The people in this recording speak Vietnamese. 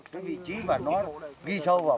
cái vị trí và nó ghi sâu vào